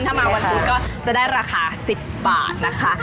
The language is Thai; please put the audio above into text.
ถ้ามาวันพุธก็จะได้ราคา๑๐บาทนะคะ